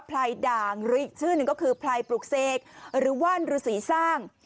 ไพรด่างหรืออีกชื่อหนึ่งก็คือไพรปลูกเสกหรือว่านฤษีสร้าง